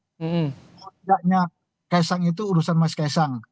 sebenarnya ksang itu urusan mas ksang